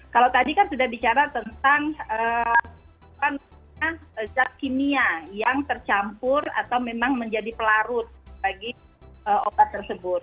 kalau tadi kan sudah bicara tentang zat kimia yang tercampur atau memang menjadi pelarut bagi obat tersebut